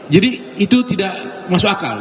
jadi itu tidak masuk akal